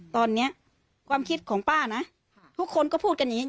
ตอนนี้ความคิดของป้านะทุกคนก็พูดกันอย่างนี้